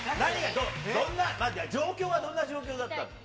どんな、状況はどんな状況だったの？